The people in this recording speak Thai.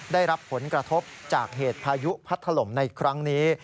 ได้รับผลกระทบจากเหตุพายุพัดถล่มในครั้งนี้